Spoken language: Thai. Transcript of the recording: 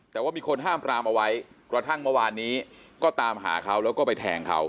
แต่ว่ามีคนห้ามปรามเอาไว้กระทั่งเมื่อวานนี้ก็ตามหาเขาแล้วก็ไปแทงเขา